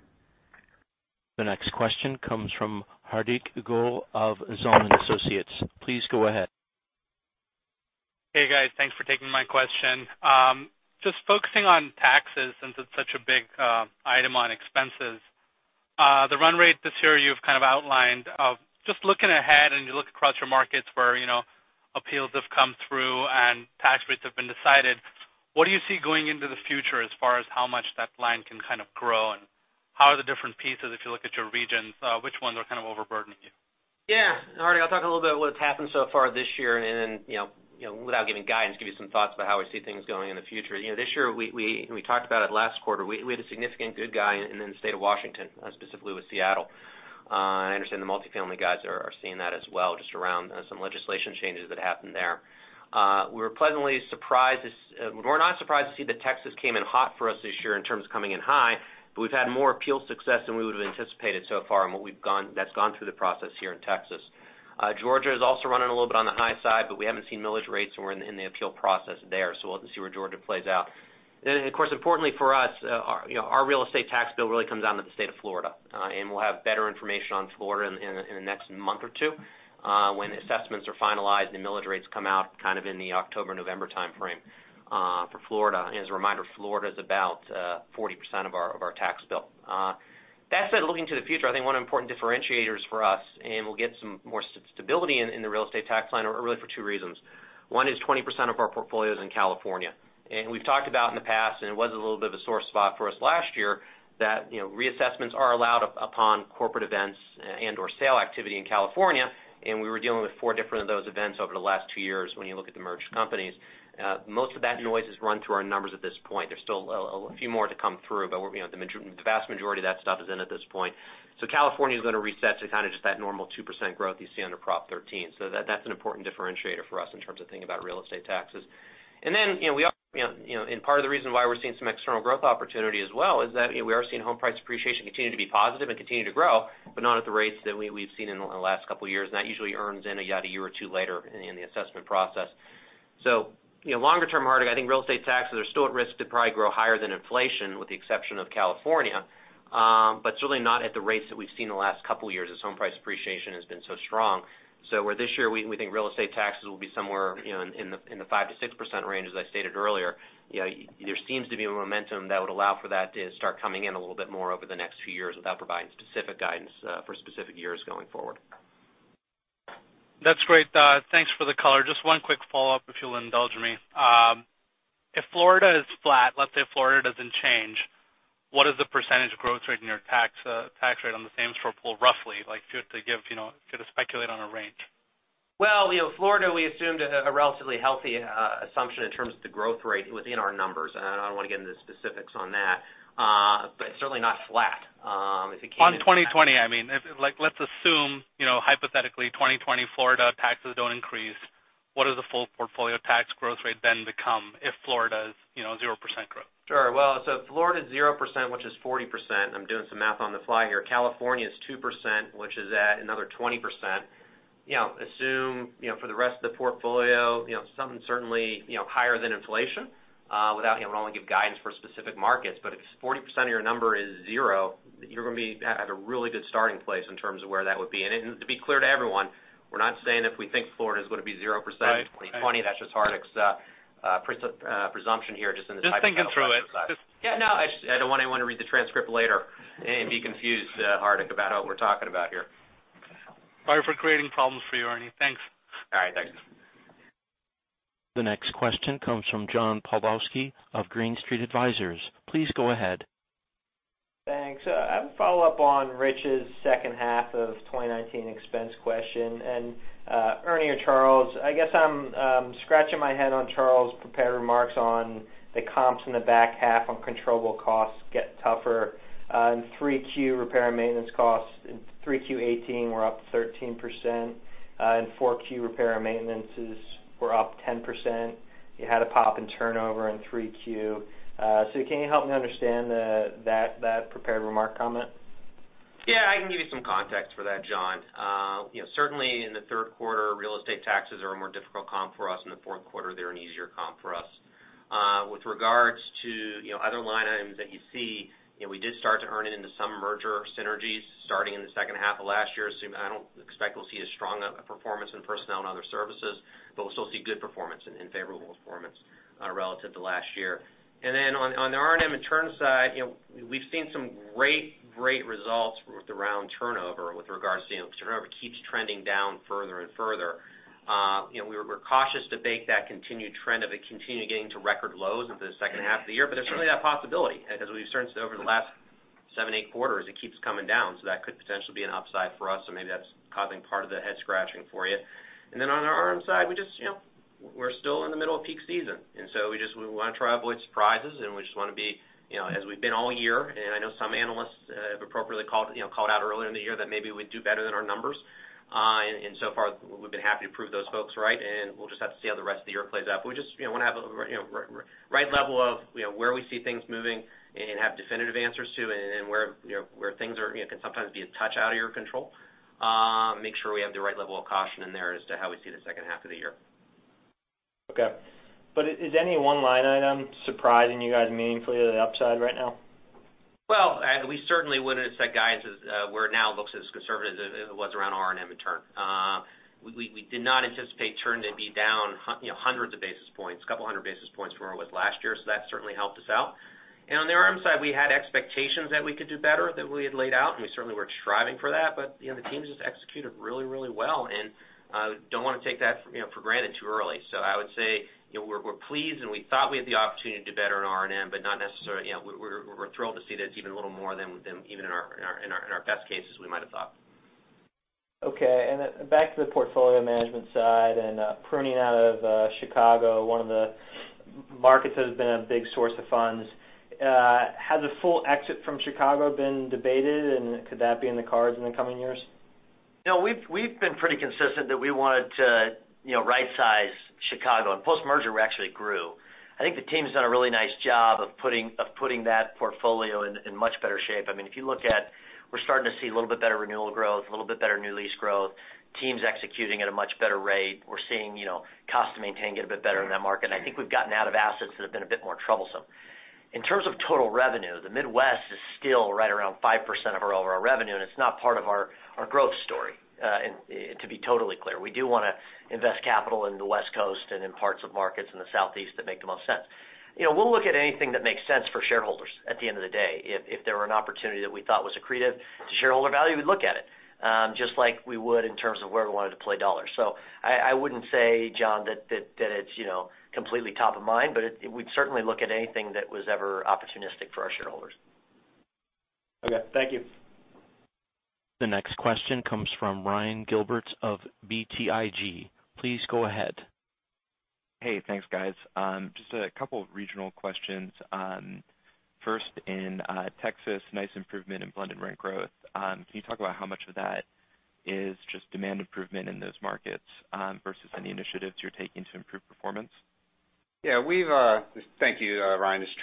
The next question comes from Hardik Goel of Zelman & Associates. Please go ahead. Hey, guys. Thanks for taking my question. Just focusing on taxes since it's such a big item on expenses. The run rate this year you've kind of outlined of just looking ahead and you look across your markets where appeals have come through and tax rates have been decided. What do you see going into the future as far as how much that line can kind of grow, and how are the different pieces if you look at your regions, which ones are kind of overburdening you? Yeah. Hardik, I'll talk a little bit what's happened so far this year and then without giving guidance, give you some thoughts about how we see things going in the future. This year, we talked about it last quarter, we had a significant good guy in the state of Washington, specifically with Seattle. I understand the multifamily guys are seeing that as well, just around some legislation changes that happened there. We're not surprised to see that Texas came in hot for us this year in terms of coming in high, but we've had more appeal success than we would've anticipated so far in what that's gone through the process here in Texas. Georgia is also running a little bit on the high side, but we haven't seen millage rates, and we're in the appeal process there, so we'll have to see where Georgia plays out. Of course, importantly for us, our real estate tax bill really comes down to the state of Florida. We'll have better information on Florida in the next month or two when assessments are finalized and the millage rates come out kind of in the October, November timeframe for Florida. As a reminder, Florida is about 40% of our tax bill. That said, looking to the future, I think one important differentiator is for us, and we'll get some more stability in the real estate tax line, really for two reasons. One is 20% of our portfolio is in California. We've talked about in the past, and it was a little bit of a sore spot for us last year, that reassessments are allowed upon corporate events and/or sale activity in California, and we were dealing with four different of those events over the last two years, when you look at the merged companies. Most of that noise has run through our numbers at this point. There's still a few more to come through, but the vast majority of that stuff is in at this point. California is going to reset to kind of just that normal 2% growth you see under Prop 13. That's an important differentiator for us in terms of thinking about real estate taxes. Part of the reason why we're seeing some external growth opportunity as well is that we are seeing home price appreciation continue to be positive and continue to grow, but not at the rates that we've seen in the last couple of years. That usually earns in a year or two later in the assessment process. Longer term, Hardik, I think real estate taxes are still at risk to probably grow higher than inflation, with the exception of California, but certainly not at the rates that we've seen the last couple of years as home price appreciation has been so strong. This year we think real estate taxes will be somewhere in the 5%-6% range, as I stated earlier. There seems to be a momentum that would allow for that to start coming in a little bit more over the next few years without providing specific guidance for specific years going forward. That's great. Thanks for the color. Just one quick follow-up, if you'll indulge me. If Florida is flat, let's say Florida doesn't change, what is the % growth rate in your tax rate on the same store pool, roughly? Like, could you speculate on a range? Well, Florida, we assumed a relatively healthy assumption in terms of the growth rate within our numbers. I don't want to get into the specifics on that. It's certainly not flat. On 2020, I mean, let's assume hypothetically 2020 Florida taxes don't increase. What does the full portfolio tax growth rate then become if Florida is 0% growth? Sure. Well, if Florida's 0%, which is 40%, I'm doing some math on the fly here. California's 2%, which is at another 20%. Assume for the rest of the portfolio, something certainly higher than inflation. We'd only give guidance for specific markets, but if 40% of your number is 0, you're going to be at a really good starting place in terms of where that would be. To be clear to everyone, we're not saying if we think Florida is going to be 0% in 2020. Right. That's just Hardik's presumption here, just in the thinking out process. Just thinking through it. Yeah. No, I don't want anyone to read the transcript later and be confused, Hardik, about what we're talking about here. Sorry for creating problems for you, Ernie. Thanks. All right. Thanks. The next question comes from John Pawlowski of Green Street Advisors. Please go ahead. Thanks. I have a follow-up on Rich's second half of 2019 expense question. Ernie or Charles, I guess I'm scratching my head on Charles' prepared remarks on the comps in the back half on controllable costs get tougher. In 3Q repair and maintenance costs in 3Q18 were up 13%, in 4Q repair and maintenance were up 10%. You had a pop in turnover in 3Q. So can you help me understand that prepared remark comment? Yeah, I can give you some context for that, John. Certainly in the third quarter, real estate taxes are a more difficult comp for us. In the fourth quarter, they're an easier comp for us. With regards to other line items that you see, we did start to earn it into some merger synergies starting in the second half of last year. I don't expect we'll see as strong a performance in personnel and other services, but we'll still see good performance and favorable performance relative to last year. On the R&M and turn side, we've seen some great results with the round turnover with regards to turnover keeps trending down further and further. We're cautious to bake that continued trend of it continuing getting to record lows into the second half of the year, but there's certainly that possibility because we've started to over the last seven, eight quarters, it keeps coming down. That could potentially be an upside for us, so maybe that's causing part of the head scratching for you. On our R&M side, we're still in the middle of peak season, and so we want to try to avoid surprises, and we just want to be, as we've been all year, and I know some analysts have appropriately called out earlier in the year that maybe we'd do better than our numbers. So far, we've been happy to prove those folks right, and we'll just have to see how the rest of the year plays out. We just want to have a right level of where we see things moving and have definitive answers to and where things can sometimes be a touch out of your control. Make sure we have the right level of caution in there as to how we see the second half of the year. Okay. Is any one line item surprising you guys meaningfully to the upside right now? Well, we certainly would have said guidance is where it now looks as conservative as it was around R&M and turn. We did not anticipate turn to be down hundreds of basis points, a couple of hundred basis points from where it was last year. That certainly helped us out. On the RM side, we had expectations that we could do better, that we had laid out, and we certainly were striving for that, but the teams just executed really well, and don't want to take that for granted too early. I would say we're pleased, and we thought we had the opportunity to do better in R&M, but we're thrilled to see that it's even a little more than even in our best cases we might have thought. Okay, back to the portfolio management side and pruning out of Chicago, one of the markets that has been a big source of funds. Has a full exit from Chicago been debated, and could that be in the cards in the coming years? No, we've been pretty consistent that we wanted to right-size Chicago, and post-merger, we actually grew. I think the team's done a really nice job of putting that portfolio in much better shape. If you look at, we're starting to see a little bit better renewal growth, a little bit better new lease growth, teams executing at a much better rate. We're seeing cost to maintain get a bit better in that market, and I think we've gotten out of assets that have been a bit more troublesome. In terms of total revenue, the Midwest is still right around 5% of our overall revenue, and it's not part of our growth story. To be totally clear, we do want to invest capital in the West Coast and in parts of markets in the Southeast that make the most sense. We'll look at anything that makes sense for shareholders, at the end of the day. If there were an opportunity that we thought was accretive to shareholder value, we'd look at it, just like we would in terms of where we wanted to play dollars. I wouldn't say, John, that it's completely top of mind, but we'd certainly look at anything that was ever opportunistic for our shareholders. Okay. Thank you. The next question comes from Ryan Gilbert of BTIG. Please go ahead. Hey, thanks guys. Just a couple of regional questions. First, in Texas, nice improvement in blended rent growth. Can you talk about how much of that is just demand improvement in those markets versus any initiatives you're taking to improve performance? Yeah. Thank you, Ryan. It's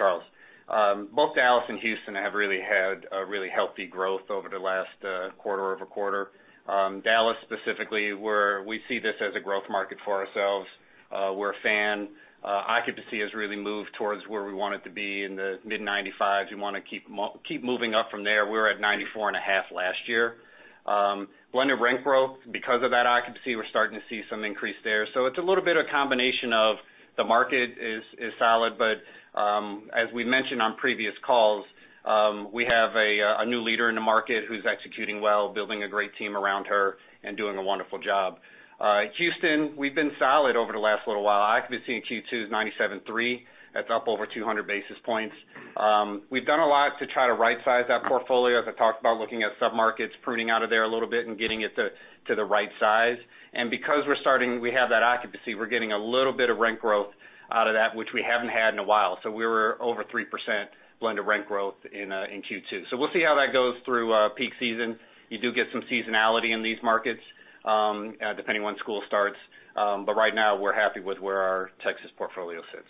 Charles. Both Dallas and Houston have really had a really healthy growth over the last quarter-over-quarter. Dallas specifically, where we see this as a growth market for ourselves. We're a fan. Occupancy has really moved towards where we want it to be in the mid-95s. We want to keep moving up from there. We were at 94.5% last year. Blended rent growth, because of that occupancy, we're starting to see some increase there. It's a little bit of a combination of the market is solid, but as we mentioned on previous calls, we have a new leader in the market who's executing well, building a great team around her and doing a wonderful job. Houston, we've been solid over the last little while. Occupancy in Q2 is 97.3%. That's up over 200 basis points. We've done a lot to try to right-size that portfolio, as I talked about looking at sub-markets, pruning out of there a little bit and getting it to the right size. Because we have that occupancy, we're getting a little bit of rent growth out of that, which we haven't had in a while. We were over 3% blended rent growth in Q2. We'll see how that goes through peak season. You do get some seasonality in these markets, depending on when school starts. Right now, we're happy with where our Texas portfolio sits.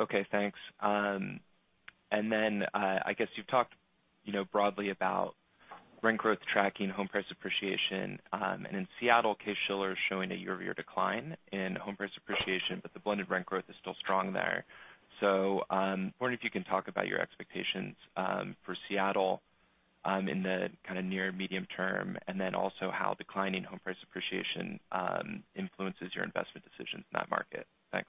Okay, thanks. I guess you've talked broadly about rent growth tracking, home price appreciation, and in Seattle, Case-Shiller is showing a year-over-year decline in home price appreciation, but the blended rent growth is still strong there. I'm wondering if you can talk about your expectations for Seattle in the kind of near medium term, and then also how declining home price appreciation influences your investment decisions in that market. Thanks.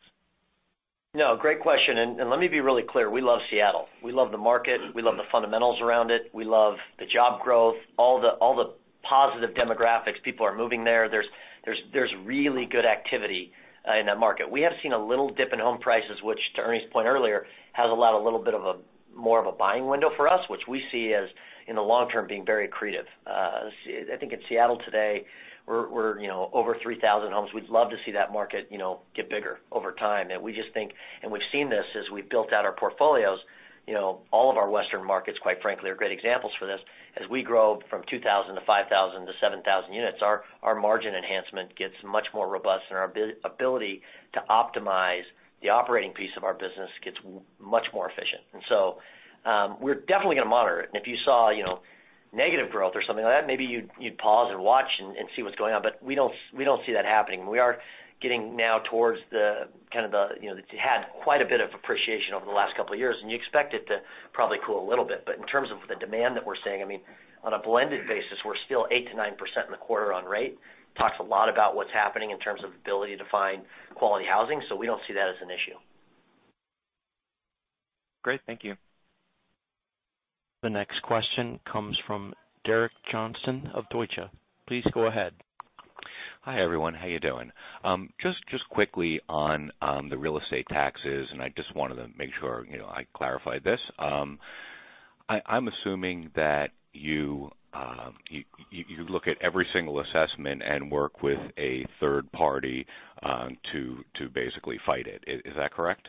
No, great question. Let me be really clear. We love Seattle. We love the market. We love the fundamentals around it. We love the job growth, all the positive demographics. People are moving there. There's really good activity in that market. We have seen a little dip in home prices, which to Ernie's point earlier, has allowed a little bit of more of a buying window for us, which we see as in the long-term being very accretive. I think in Seattle today, we're over 3,000 homes. We'd love to see that market get bigger over time. We've seen this as we built out our portfolios. All of our western markets, quite frankly, are great examples for this. As we grow from 2,000 to 5,000 to 7,000 units, our margin enhancement gets much more robust and our ability to optimize the operating piece of our business gets much more efficient. We're definitely going to monitor it. If you saw negative growth or something like that, maybe you'd pause and watch and see what's going on. We don't see that happening. We are getting now towards the kind of the, it had quite a bit of appreciation over the last couple of years, and you expect it to probably cool a little bit. In terms of the demand that we're seeing, on a blended basis, we're still 8%-9% in the quarter on rate. Talks a lot about what's happening in terms of ability to find quality housing, so we don't see that as an issue. Great. Thank you. The next question comes from Derek Johnston of Deutsche. Please go ahead. Hi, everyone. How are you doing? Just quickly on the real estate taxes. I just wanted to make sure I clarified this. I'm assuming that you look at every single assessment and work with a third party to basically fight it. Is that correct?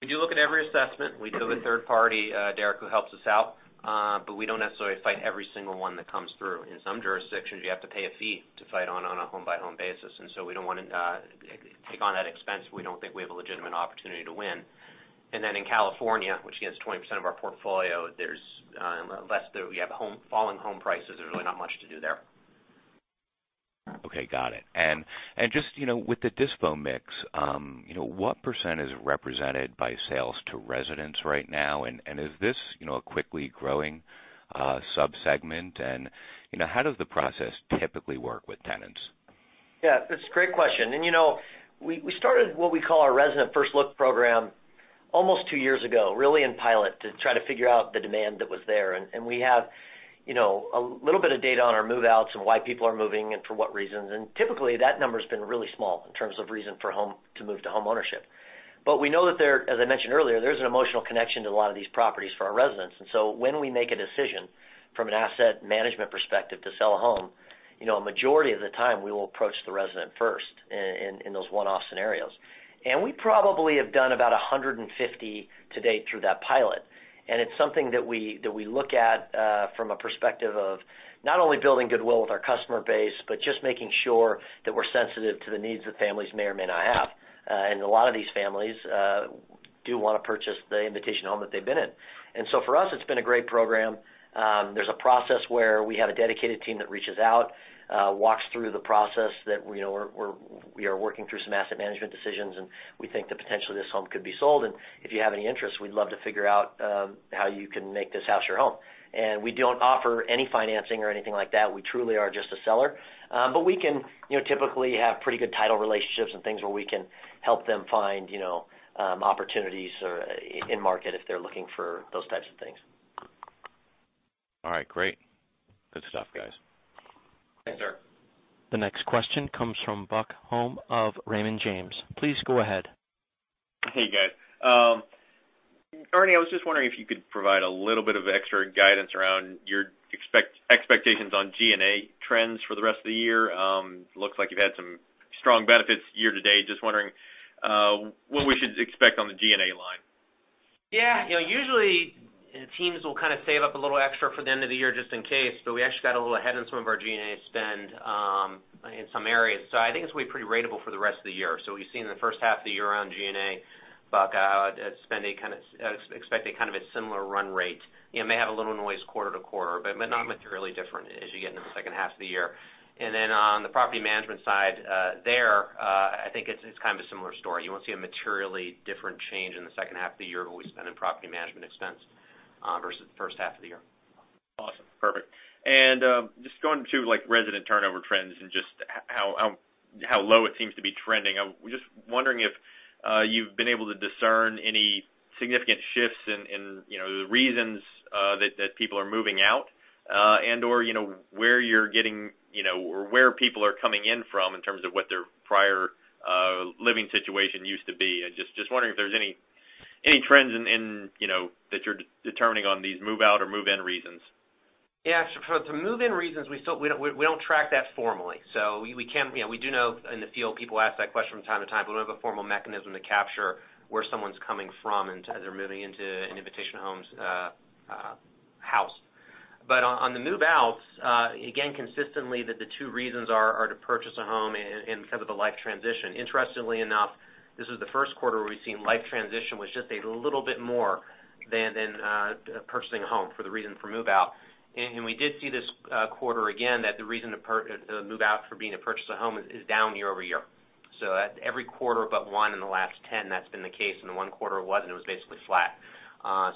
We do look at every assessment. We deal with third party, Derek, who helps us out. We don't necessarily fight every single one that comes through. In some jurisdictions, you have to pay a fee to fight on a home-by-home basis. We don't want to take on that expense if we don't think we have a legitimate opportunity to win. In California, which is 20% of our portfolio, we have falling home prices. There's really not much to do there. Okay, got it. Just with the dispo mix, what % is represented by sales to residents right now? Is this a quickly growing sub-segment? How does the process typically work with tenants? Yeah. It's a great question. We started what we call our Resident First Look Program almost two years ago, really in pilot, to try to figure out the demand that was there. We have a little bit of data on our move-outs and why people are moving and for what reasons. Typically, that number's been really small in terms of reason to move to home ownership. We know that there, as I mentioned earlier, there's an emotional connection to a lot of these properties for our residents. So when we make a decision from an asset management perspective to sell a home, a majority of the time, we will approach the resident first in those one-off scenarios. We probably have done about 150 to date through that pilot. It's something that we look at from a perspective of not only building goodwill with our customer base, but just making sure that we're sensitive to the needs that families may or may not have. A lot of these families. Want to purchase the Invitation Homes that they've been in. For us, it's been a great program. There's a process where we have a dedicated team that reaches out, walks through the process that we are working through some asset management decisions, and we think that potentially this home could be sold, and if you have any interest, we'd love to figure out how you can make this house your home. We don't offer any financing or anything like that. We truly are just a seller. We can typically have pretty good title relationships and things where we can help them find opportunities in market if they're looking for those types of things. All right, great. Good stuff, guys. Thanks, sir. The next question comes from Buck Horne of Raymond James. Please go ahead. Hey, guys. Ernie, I was just wondering if you could provide a little bit of extra guidance around your expectations on G&A trends for the rest of the year. Looks like you've had some strong benefits year to date. Just wondering what we should expect on the G&A line. Usually, teams will kind of save up a little extra for the end of the year just in case, but we actually got a little ahead on some of our G&A spend in some areas. I think it's going to be pretty ratable for the rest of the year. What you've seen in the first half of the year around G&A, Buck Horne, expect a kind of a similar run rate. It may have a little noise quarter-to-quarter, but not materially different as you get into the second half of the year. On the property management side, there, I think it's kind of a similar story. You won't see a materially different change in the second half of the year with what we spend in property management expense versus the first half of the year. Awesome. Perfect. Just going to resident turnover trends and just how low it seems to be trending, I'm just wondering if you've been able to discern any significant shifts in the reasons that people are moving out and/or where people are coming in from in terms of what their prior living situation used to be, and just wondering if there's any trends that you're determining on these move out or move in reasons. For the move in reasons, we don't track that formally. We do know in the field people ask that question from time to time, but we don't have a formal mechanism to capture where someone's coming from as they're moving into an Invitation Homes house. On the move outs, again, consistently the two reasons are to purchase a home and because of the life transition. Interestingly enough, this is the first quarter where we've seen life transition was just a little bit more than purchasing a home for the reason for move out. We did see this quarter again that the reason to move out for being to purchase a home is down year-over-year. At every quarter but one in the last 10, that's been the case. In the one quarter it was, and it was basically flat.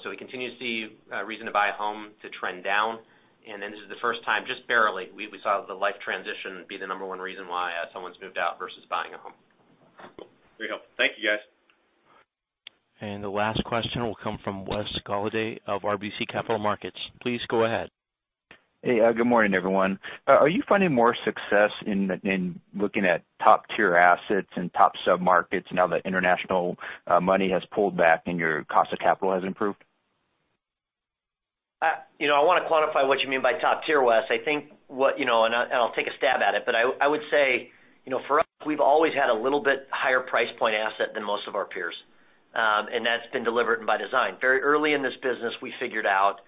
We continue to see reason to buy a home to trend down. This is the first time, just barely, we saw the life transition be the number 1 reason why someone's moved out versus buying a home. Cool. Very helpful. Thank you, guys. The last question will come from Wes Golladay of RBC Capital Markets. Please go ahead. Hey. Good morning, everyone. Are you finding more success in looking at top tier assets and top sub-markets now that international money has pulled back and your cost of capital has improved? I want to quantify what you mean by top tier, Wes. I'll take a stab at it, but I would say, for us, we've always had a little bit higher price point asset than most of our peers. That's been delivered by design. Very early in this business, we figured out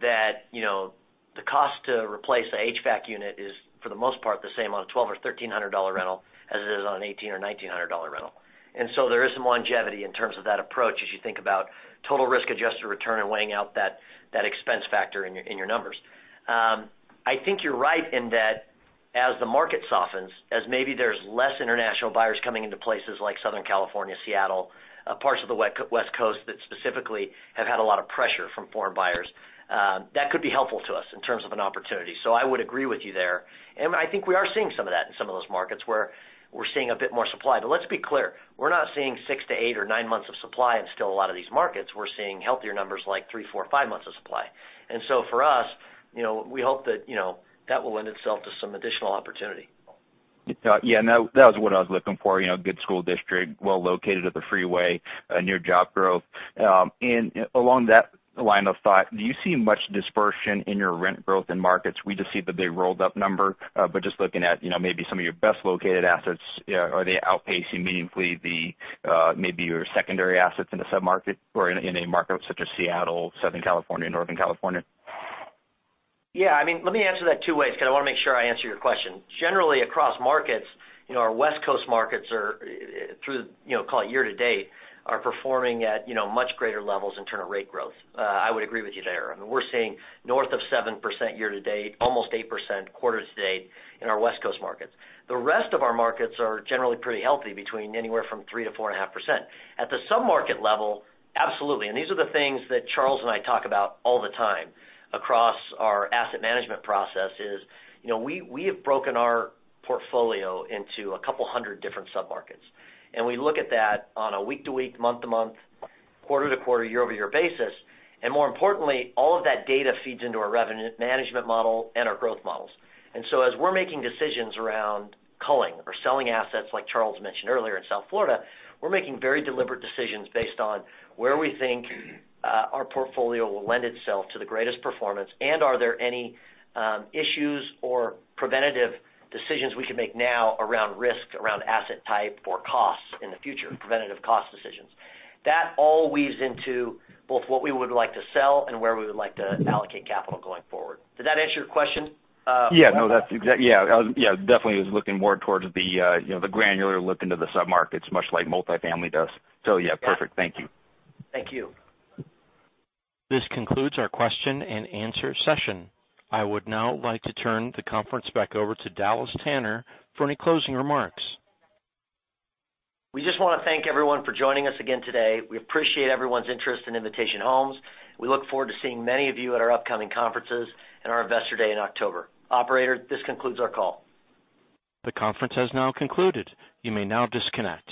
that the cost to replace a HVAC unit is, for the most part, the same on a $1,200 or $1,300 rental as it is on an $1,800 or $1,900 rental. There is some longevity in terms of that approach as you think about total risk-adjusted return and weighing out that expense factor in your numbers. I think you're right in that as the market softens, as maybe there's less international buyers coming into places like Southern California, Seattle, parts of the West Coast that specifically have had a lot of pressure from foreign buyers, that could be helpful to us in terms of an opportunity. I would agree with you there. I think we are seeing some of that in some of those markets where we're seeing a bit more supply. Let's be clear, we're not seeing 6 to 8 or 9 months of supply in still a lot of these markets. We're seeing healthier numbers like three, four, five months of supply. For us, we hope that will lend itself to some additional opportunity. Yeah, that was what I was looking for. Good school district, well located at the freeway, near job growth. Along that line of thought, do you see much dispersion in your rent growth in markets? We just see the big rolled-up number. Just looking at maybe some of your best located assets, are they outpacing meaningfully maybe your secondary assets in a sub-market or in a market such as Seattle, Southern California, Northern California? Yeah, let me answer that two ways because I want to make sure I answer your question. Generally, across markets, our West Coast markets are through, call it year-to-date, are performing at much greater levels in terms of rate growth. I would agree with you there. I mean, we're seeing north of 7% year-to-date, almost 8% quarter-to-date in our West Coast markets. The rest of our markets are generally pretty healthy, between anywhere from 3%-4.5%. At the sub-market level, absolutely, and these are the things that Charles and I talk about all the time across our asset management process is we have broken our portfolio into a couple hundred different sub-markets. We look at that on a week-to-week, month-to-month, quarter-to-quarter, year-over-year basis. More importantly, all of that data feeds into our revenue management model and our growth models. So as we're making decisions around culling or selling assets like Charles mentioned earlier in South Florida, we're making very deliberate decisions based on where we think our portfolio will lend itself to the greatest performance and are there any issues or preventative decisions we can make now around risks, around asset type or costs in the future, preventative cost decisions. That all weaves into both what we would like to sell and where we would like to allocate capital going forward. Did that answer your question? Yeah, definitely was looking more towards the granular look into the sub-markets, much like multifamily does. Yeah, perfect. Thank you. Thank you. This concludes our question and answer session. I would now like to turn the conference back over to Dallas Tanner for any closing remarks. We just want to thank everyone for joining us again today. We appreciate everyone's interest in Invitation Homes. We look forward to seeing many of you at our upcoming conferences and our Investor Day in October. Operator, this concludes our call. The conference has now concluded. You may now disconnect.